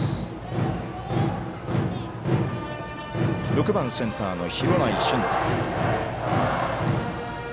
６番センターの廣内駿汰。